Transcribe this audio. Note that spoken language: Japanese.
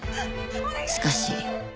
しかし。